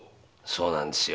そうなんですよ